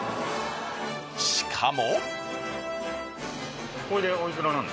しかも。